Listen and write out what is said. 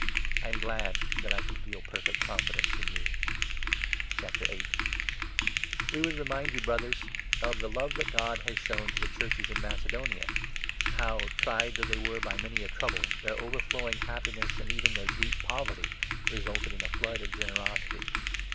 I am glad 16 that I can feel perfect confidence in you. V. — THE PALESTINE FAMINE FUND. te remind you, Brothers, of the love 1* that God has shown to the Churches in Macedonia Macedonian — how, tried though they were by many a trouble, '" their overflowing happiness, and even their deep poverty, resulted in a flood of generosity.